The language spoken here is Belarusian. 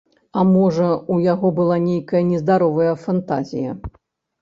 А, можа, у яго была нейкая нездаровая фантазія?